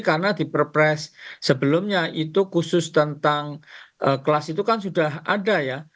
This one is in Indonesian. karena di perpres sebelumnya itu khusus tentang kelas itu kan sudah ada ya